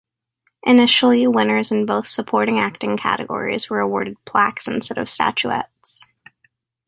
Initially, winners in both supporting acting categories were awarded plaques instead of statuettes.